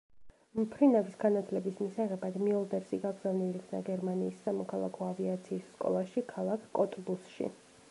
მფრინავის განათლების მისაღებად მიოლდერსი გაგზავნილ იქნა გერმანიის სამოქალაქო ავიაციის სკოლაში ქალაქ კოტბუსში.